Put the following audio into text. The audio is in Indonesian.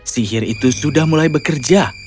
sihir itu sudah mulai bekerja